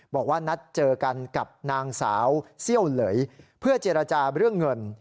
บอกว่านัดเจอกันกับนางสาวเซี่ยวเหลยเพื่อเจรจาเรื่องเงิน